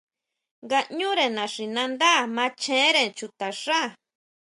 Ngaʼñure naxinándá machenre chuta xá.